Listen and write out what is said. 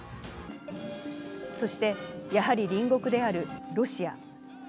そして、やはり隣国であるロシア。